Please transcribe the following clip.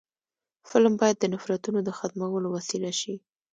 فلم باید د نفرتونو د ختمولو وسیله شي